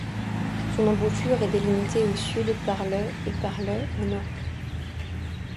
Son embouchure est délimitée au sud par le et par le au nord.